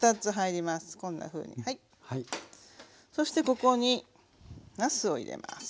そしてここになすを入れます。